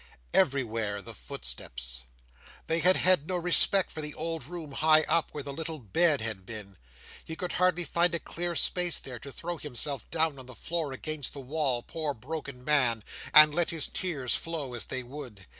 Everywhere, the footsteps! They had had no respect for the old room high up, where the little bed had been; he could hardly find a clear space there, to throw himself down, on the floor, against the wall, poor broken man, and let his tears flow as they would.